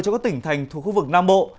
cho các tỉnh thành thuộc khu vực nam bộ